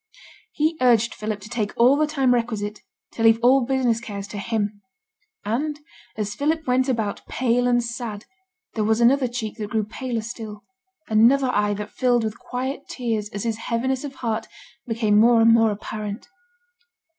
He urged Philip to take all the time requisite; to leave all business cares to him. And as Philip went about pale and sad, there was another cheek that grew paler still, another eye that filled with quiet tears as his heaviness of heart became more and more apparent.